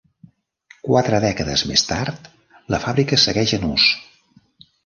Quatre dècades més tard, la fàbrica segueix en ús.